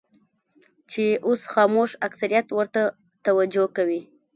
چې اوس خاموش اکثریت ورته توجه کوي.